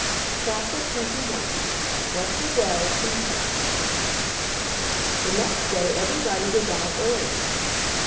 CHAPTER XXI WHAT THE WELL CONTAINED The next day everybody was out early.